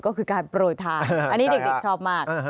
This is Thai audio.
ก็คือการโปรยทานอันนี้เด็กชอบมาก